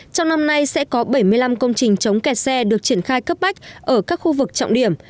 trong năm nay sẽ có bảy mươi năm công trình chống kẹt xe được triển khai cấp bách ở các khu vực trọng điểm